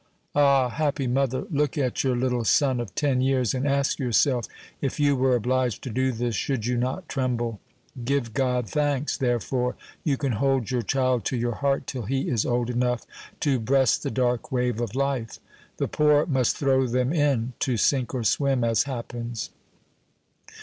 Ah, happy mother! look at your little son of ten years, and ask yourself, if you were obliged to do this, should you not tremble! Give God thanks, therefore, you can hold your child to your heart till he is old enough to breast the dark wave of life. The poor must throw them in, to sink or swim, as happens.